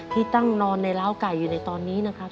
ที่ตั้งนอนในล้าวไก่อยู่ในตอนนี้นะครับ